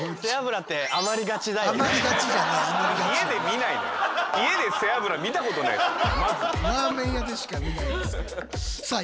ラーメン屋でしか見ないですけど。